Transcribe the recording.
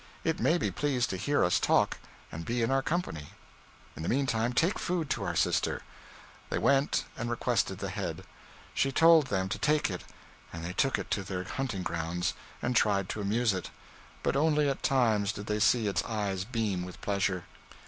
It may be pleased to hear us talk, and be in our company. In the meantime take food to our sister.' They went and requested the head. She told them to take it, and they took it to their hunting grounds, and tried to amuse it, but only at times did they see its eyes beam with pleasure.